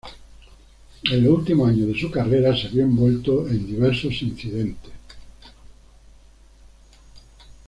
En los últimos años de su carrera se vio envuelto en diversos incidentes.